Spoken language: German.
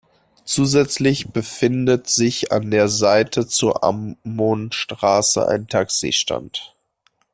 Zusätzlich befindet sich an der Seite zur Ammonstraße ein Taxistand.